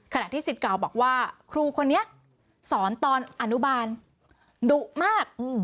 ขณะที่สิทธิ์เก่าบอกว่าครูคนนี้สอนตอนอนุบาลดุมาก